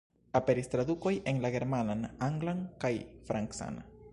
Aperis tradukoj en la germanan, anglan kaj francan.